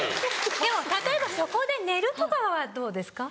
でも例えばそこで寝るとかはどうですか？